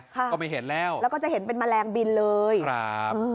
ก็ไม่เห็นแล้วแล้วก็จะเห็นเป็นแมลงบินเลยครับ